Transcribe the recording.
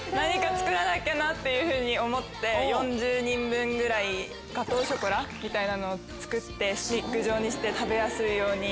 っていうふうに思って４０人分ぐらいガトーショコラみたいなのを作ってスティック状にして食べやすいように。